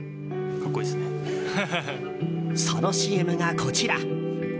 そのＣＭが、こちら。